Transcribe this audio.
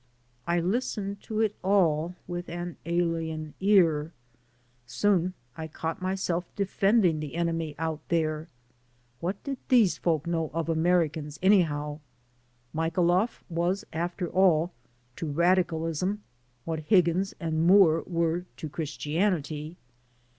I listened to it all with an alien ear. Soon I caught myself defending the enemy out there. What did these folk know of Americans, anyhow? Michailoff was, after all, to radicalism what Higgins and Moore were to Christianity.